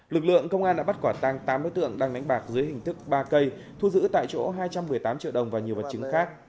lực lượng công an đã bắt quả tăng tám đối tượng đang đánh bạc dưới hình thức ba cây thu giữ tại chỗ hai trăm một mươi tám triệu đồng và nhiều vật chứng khác